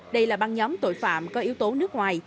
đây là băng nhóm tội phạm có yếu tố nước ngoài